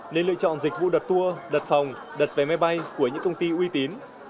nên lựa chọn dịch vụ đặt tour đặt phòng đặt vé máy bay của những công ty uy tín